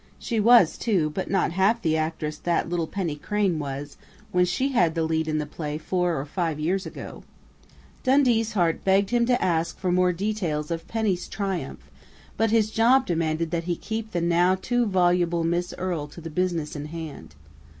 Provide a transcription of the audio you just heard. She was, too, but not half the actress that little Penny Crain was, when she had the lead in the play four or five years ago." Dundee's heart begged him to ask for more details of Penny's triumph, but his job demanded that he keep the now too voluble Miss Earle to the business in hand.